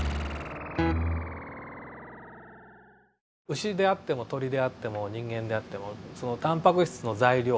牛であっても鳥であっても人間であってもそのタンパク質の材料